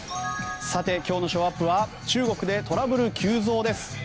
さて、今日のショーアップは中国でトラブル急増です。